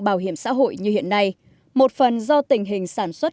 bảo hiểm xã hội như hiện nay một phần do tình hình sản xuất